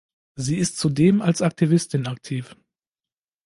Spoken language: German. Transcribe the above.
Sie ist zudem als Aktivistin aktiv.